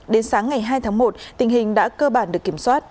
đến sáng ngày hai tháng một tình hình đã cơ bản được kiểm soát